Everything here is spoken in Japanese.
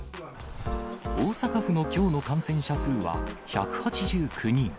大阪府のきょうの感染者数は１８９人。